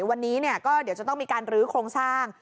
วันนี้ก็เดี๋ยวจะต้องมีการรื้อโครงสร้าง